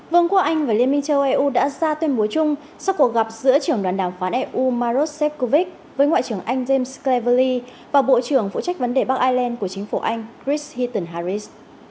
vương quốc anh và liên minh châu âu đã ra tuyên bố chung sau cuộc gặp giữa trưởng đoàn đàm khoán eu maros sefcovic với ngoại trưởng anh james cleverley và bộ trưởng phụ trách vấn đề bắc ireland của chính phủ anh chris heathen harris